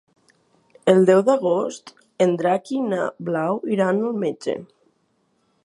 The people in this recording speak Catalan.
El deu d'agost en Drac i na Blau iran al metge.